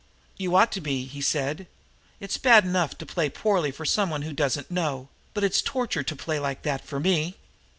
"You ought to be," he said. "It's bad enough to play poorly for someone who doesn't know, but it's torture to play like that for me."